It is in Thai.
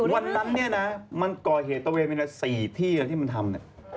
วันนั้นเน่ะก่อเหตุว่าไม่รอบสี่ที่ที่มันทำ